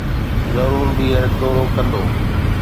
ضرور ٻيهر دورو ڪندو